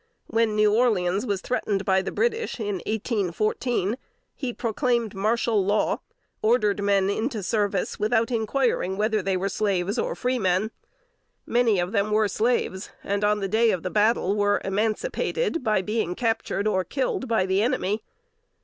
When New Orleans was threatened by the British, in 1814, he proclaimed martial law ordered men into service without inquiring whether they were slaves or freemen. Many of them were slaves, and on the day of battle were emancipated by being captured or killed by the enemy.